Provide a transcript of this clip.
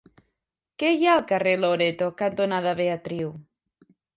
Què hi ha al carrer Loreto cantonada Beatriu?